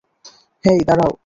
হেই, দাঁড়াও!